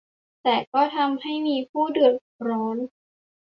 แต่ก็ทำให้มีผู้เดือดร้อน